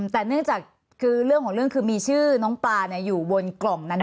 แต่เนื่องจากคือเรื่องของเรื่องคือมีชื่อน้องปลาอยู่บนกล่องนั้น